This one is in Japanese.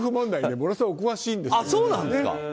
ものすごくお詳しいんです。